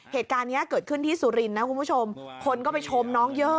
เหตุการณ์นี้เกิดขึ้นที่สุรินทร์นะคุณผู้ชมคนก็ไปชมน้องเยอะ